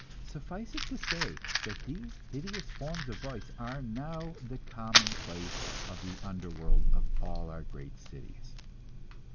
Suffice it to say that these hideous forms of vice are now the commonplace of the under world of all our great cities.